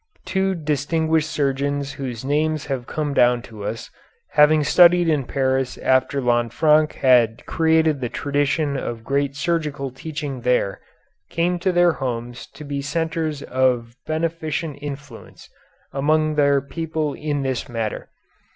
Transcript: Two distinguished surgeons whose names have come down to us, having studied in Paris after Lanfranc had created the tradition of great surgical teaching there, came to their homes to be centres of beneficent influence among their people in this matter.